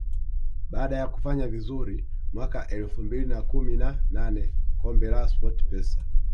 Baada ya kufanya vizuri mwaka elfu mbili na kumi na nane kombe la SportPesa